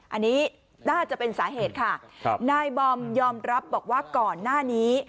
อันนี้น่าจะเป็นสาเหตุค่ะครับนายบอมยอมรับบอกว่าก่อนหน้านี้